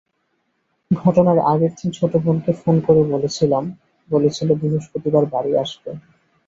ঘটনার আগের দিন ছোট বোনকে ফোন করে বলেছিল বৃহস্পতিবার বাড়ি আসবে।